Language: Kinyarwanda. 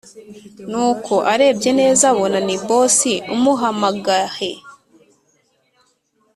nuko arebye neza abona ni boss umuhamagahe